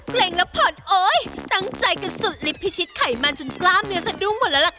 เพลงรับผ่อนโอ๊ยตั้งใจกันสุดลิฟพิชิตไขมันจนกล้ามเนื้อสะดุ้งหมดแล้วล่ะค่ะ